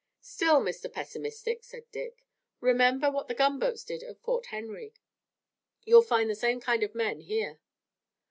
"Still, Mr. Pessimist," said Dick, "remember what the gunboats did at Fort Henry. You'll find the same kind of men here."